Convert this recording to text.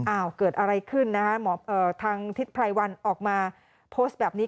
เกิดอะไรขึ้นนะฮะหมอทางทิศไพรวันออกมาโพสต์แบบนี้